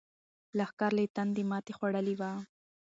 لښکر له تندې ماتې خوړلې وه.